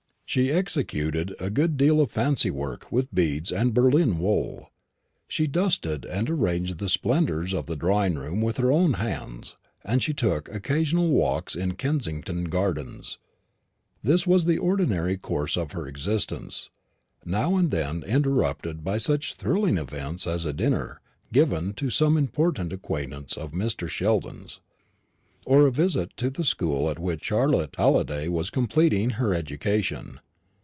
She executed a good deal of fancy work with beads and Berlin wool; she dusted and arranged the splendours of the drawing room with her own hands; and she took occasional walks in Kensington Gardens. This was the ordinary course of her existence, now and then interrupted by such thrilling events as a dinner given to some important acquaintance of Mr. Sheldon's, or a visit to the school at which Charlotte Halliday was completing her education.